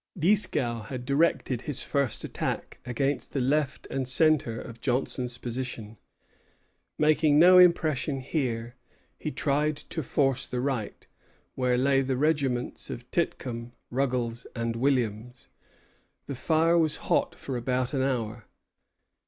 Dieskau had directed his first attack against the left and centre of Johnson's position. Making no impression here, he tried to force the right, where lay the regiments of Titcomb, Ruggles, and Williams. The fire was hot for about an hour.